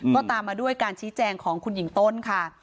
ก็ตามมาด้วยการชี้แจงของคุณหญิงต้นค่ะ